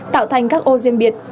tạo thành các ô riêng biệt